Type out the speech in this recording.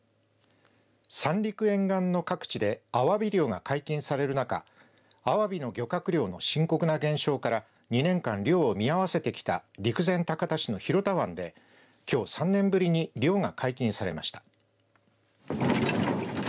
三陸沿岸の各地でアワビ漁が監禁される中アワビの漁獲量の深刻な減少から２年間、漁を見合わせてきた陸前高田市の広田湾できょう３年ぶりに漁が解禁されました。